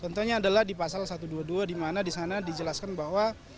contohnya adalah di pasal satu ratus dua puluh dua di mana di sana dijelaskan bahwa